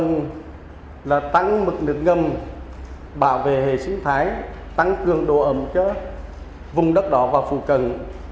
nước là tăng mực nước ngâm bảo vệ hệ sinh thái tăng cường độ ẩm cho vùng đất đỏ và phù cần